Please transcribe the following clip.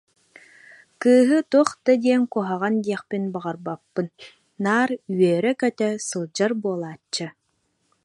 Кыыһы туох да диэн куһаҕан диэхпин баҕарбаппын, наар үөрэ-көтө сылдьар буолааччы